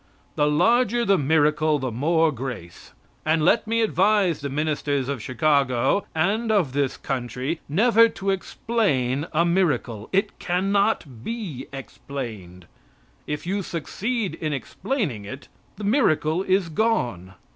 The larger the miracle the more grace. And let me advise the ministers of Chicago and of this country, never to explain a miracle; it cannot be explained. If you succeed in explaining it, the miracle is gone.